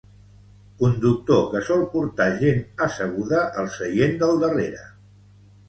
Conductor que sol portar gent asseguda al seient del darrere.